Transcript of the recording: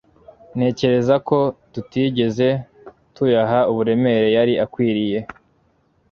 ntekereza ko tutigeze tuyaha uburemere yari akwiriye